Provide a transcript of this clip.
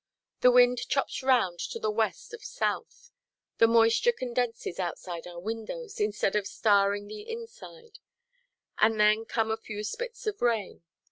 The wind chops round to the west of south; the moisture condenses outside our windows, instead of starring the inside; and then come a few spits of rain.